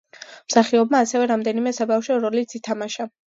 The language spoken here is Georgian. მსახიობმა ასევე რამდენიმე საბავშვო როლიც ითამაშა.